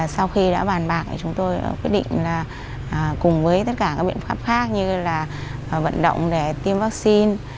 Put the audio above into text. sau khi đã bàn bạc thì chúng tôi quyết định là cùng với tất cả các biện pháp khác như là vận động để tiêm vaccine